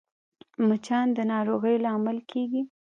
مچان د ناروغیو لامل کېږي